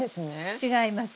違います。